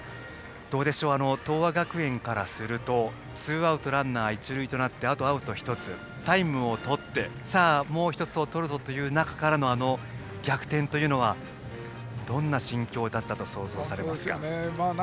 どうでしょう東亜学園からするとツーアウトランナー、一塁となってあとアウト１つ、タイムを取ってさあ、もう１つとるぞという中であの逆転はどんな心境と想像されますか。